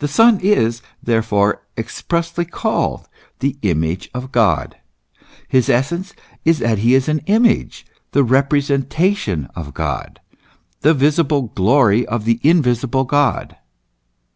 The Son is therefore expressly called the Image of God ; his essence is that he is an image the representation of God, the visible glory of the invisible God.